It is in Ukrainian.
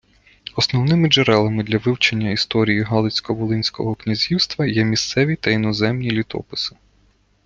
Основними джерелами для вивчення історії Галицько-Волинського князівства є місцеві та іноземні літописи.